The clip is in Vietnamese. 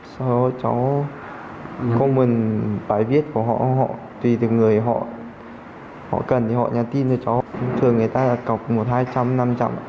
sau đó cháu không muốn bài viết của họ họ tùy từ người họ cần thì họ nhắn tin cho cháu thường người ta là cọc một hai trăm linh năm trăm linh